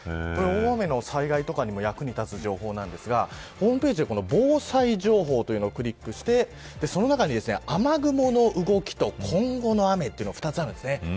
大雨の災害とかに役立つ情報ですがホームページでは防災情報というのをクリックしてその中に雨雲の動きと今後の雨、２つあります。